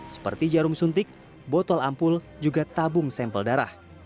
seperti jarum suntik botol ampul juga tabung sampel darah